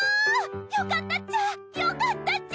よかったっちゃよかったっちゃ！